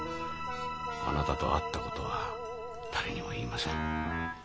あなたと会ったことは誰にも言いません。